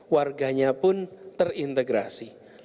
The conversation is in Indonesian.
warganya pun terintegrasi